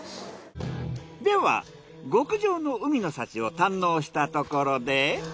では極上の海の幸を堪能したところで。